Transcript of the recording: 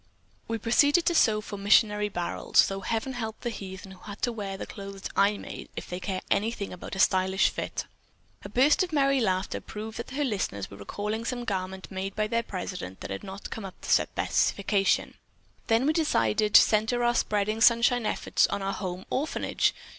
We proceeded to sew for missionary barrels, though heaven help the heathen who had to wear the clothes I made if they care anything about a stylish fit." A burst of merry laughter proved that her listeners were recalling some garment made by their president that had not come up to specifications. "Then we decided to center our spreading sunshine efforts on our home orphanage.